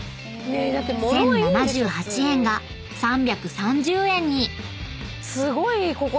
［１，０７８円が３３０円に］